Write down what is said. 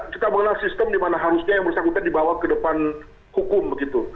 kita mengenal sistem di mana harusnya yang bersangkutan dibawa ke depan hukum begitu